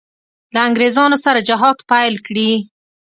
له انګرېزانو سره جهاد پیل کړي.